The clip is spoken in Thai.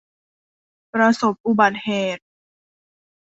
ประสบอุบัติเหตุ